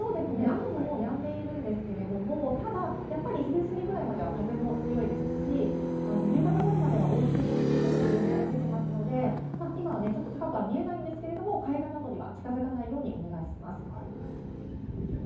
雨もやんでいるんですけれども、昼すぎぐらいまでは風も強いですし、夕方ごろまでは大しけが続くという予報も出ていますので、今はちょっと高くは見えないんですけれども、海岸などには近づかないようにお願いします。